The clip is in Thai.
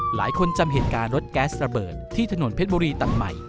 จำเหตุการณ์รถแก๊สระเบิดที่ถนนเพชรบุรีตัดใหม่